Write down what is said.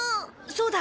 そうだ。